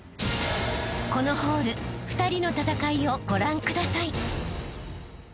［このホール２人の戦いをご覧ください］